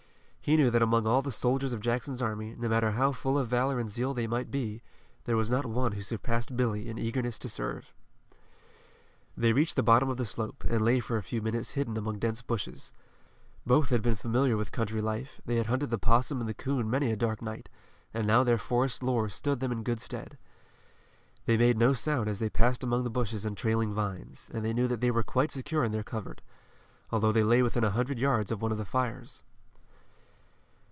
He knew that among all the soldiers of Jackson's army, no matter how full of valor and zeal they might be, there was not one who surpassed Billy in eagerness to serve. They reached the bottom of the slope, and lay for a few minutes hidden among dense bushes. Both had been familiar with country life, they had hunted the 'possum and the coon many a dark night, and now their forest lore stood them in good stead. They made no sound as they passed among the bushes and trailing vines, and they knew that they were quite secure in their covert, although they lay within a hundred yards of one of the fires.